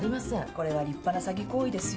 これは立派な詐欺行為ですよ。